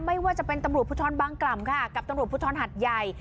ไม่ว่าจะเป็นตำรุดพุทธรบังกลำค่ะกับตำรุดพุทธรหัทยัย